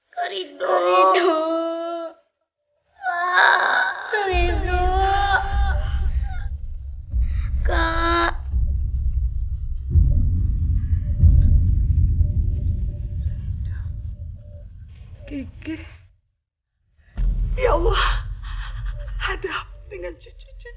kamu tidak boleh pulang ke rumah